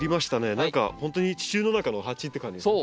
何かほんとに地中の中の鉢って感じですね。